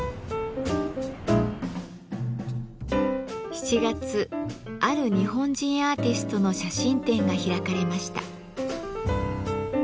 ７月ある日本人アーティストの写真展が開かれました。